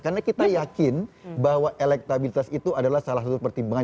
karena kita yakin bahwa elektabilitas itu adalah salah satu pertimbangan